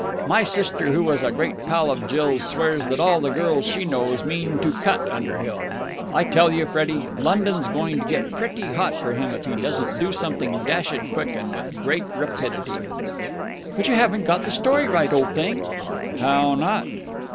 My sister, who was a great pal of Jill's, swears that all the girls she knows mean to cut Underhill. I tell you, Freddie, London's going to get pretty hot for him if he doesn't do something dashed quick and with great rapidity!" "But you haven't got the story right, old thing!" "How not?"